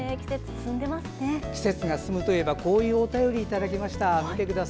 季節が進むといえばこういうお便りいただきました。